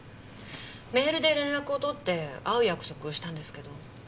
メールで連絡を取って会う約束をしたんですけど。